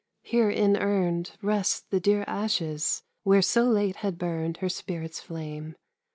Here inurned Rest the dear ashes where so late had burned Her spirit's flame.